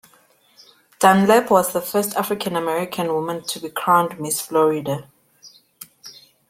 Dunlap was the first African American woman to be crowned Miss Florida.